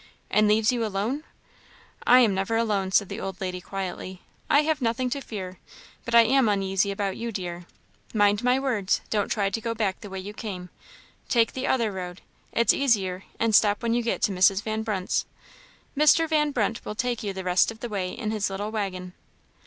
"And leaves you alone!" "I am never alone," said the old lady, quietly; "I have nothing to fear; but I am uneasy about you, dear. Mind my words; don't try to go back the way you came; take the other road; it's easier; and stop when you get to Mrs. Van Brunt's; Mr. Van Brunt will take you the rest of the way in his little waggon."